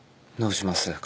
どうします？